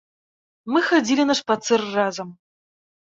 Мы хадзілі на шпацыр разам.